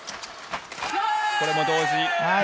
これも同時。